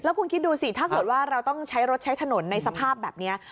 คุณคิดดูสิถ้าเกิดว่าเราต้องใช้รถใช้ถนนในสภาพแบบนี้